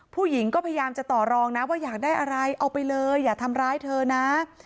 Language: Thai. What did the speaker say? ผู้หญิงก็พยายามจะต่อรองนะว่าอยากได้อะไรเอาไปเลยอย่าทำร้ายเธอนะ